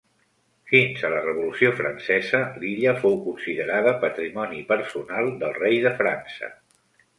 Fins a la Revolució Francesa l'illa fou considerada patrimoni personal del Rei de França.